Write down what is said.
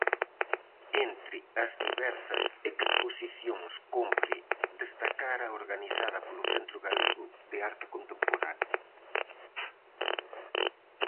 Entre as diversas exposicións cómpre destacar a organizada polo Centro Galego de Arte Contemporánea.